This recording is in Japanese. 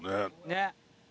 ねっ。